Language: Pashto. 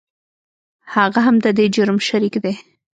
هغه هم د دې جرم شریک دی .